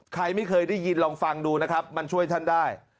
ใครไม่เคยได้ยินลองฟังดูนะครับมันช่วยท่านได้